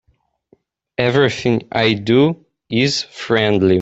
Everything I do is friendly.